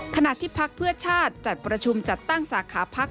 ขณะที่พักเพื่อชาติจัดประชุมจัดตั้งสาขาพัก